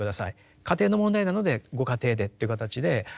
家庭の問題なのでご家庭でっていう形でかつてはですね